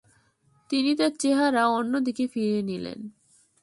তিনি তাঁর চেহারা অন্য দিকে ফিরিয়ে নিলেন।